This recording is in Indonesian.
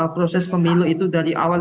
proses pemilu itu dari awal